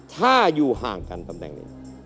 ถ้าอยู่ห่างกันตำแหน่งนี้